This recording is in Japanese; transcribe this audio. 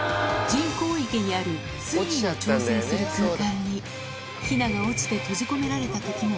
人工池にある水位を調整する空間にヒナが落ちて閉じ込められたときも。